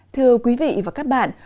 thưa quý vị và các bạn